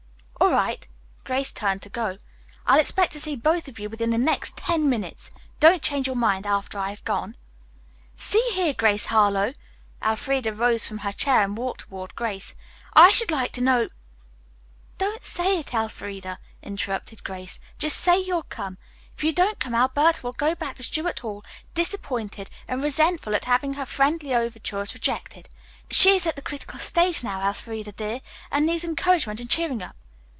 "All right." Grace turned to go. "I'll expect to see both of you within the next ten minutes. Don't change your mind after I have gone." "See here, Grace Harlowe!" Elfreda rose from her chair and walked toward Grace. "I should like to know " "Don't say it, Elfreda," interrupted Grace. "Just say you'll come. If you don't come Alberta will go back to Stuart Hall, disappointed and resentful at having her friendly overtures rejected. She is at the critical stage now, Elfreda, dear, and needs encouragement and cheering up.